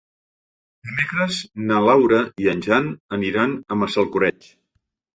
Dimecres na Laura i en Jan aniran a Massalcoreig.